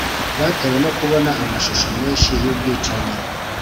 batewe no kubona amashusho menshi y'ubwicanyi